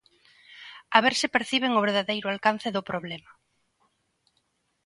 A ver se perciben o verdadeiro alcance do problema.